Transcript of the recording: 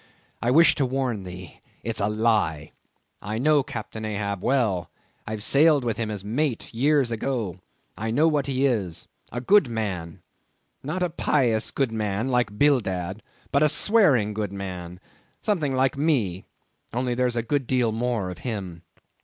I wish to warn thee. It's a lie. I know Captain Ahab well; I've sailed with him as mate years ago; I know what he is—a good man—not a pious, good man, like Bildad, but a swearing good man—something like me—only there's a good deal more of him.